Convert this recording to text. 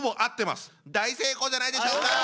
大成功じゃないでしょうか！